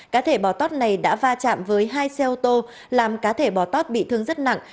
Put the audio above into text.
cá thể bò tót này đã va chạm với hai xe ô tô làm cá thể bò tót bị thương rất nặng